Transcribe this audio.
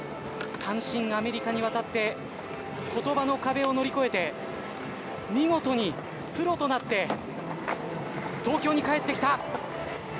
単身アメリカに渡って言葉の壁を乗り越えて見事にプロとなって東京に帰ってきた！